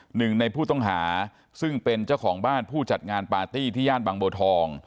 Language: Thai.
หนึ่งในผู้ต้องหาซึ่งเป็นเจ้าของบ้านผู้จัดงานปาร์ตี้ที่ย่านบางบัวทอง